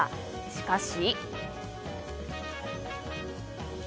しかし。